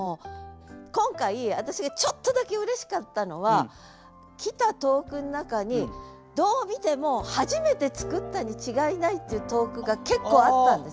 今回私がちょっとだけうれしかったのは来た投句の中にどう見ても初めて作ったに違いないっていう投句が結構あったんです。